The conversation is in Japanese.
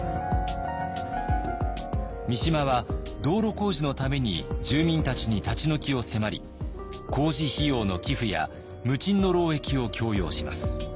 三島は道路工事のために住民たちに立ち退きを迫り工事費用の寄付や無賃の労役を強要します。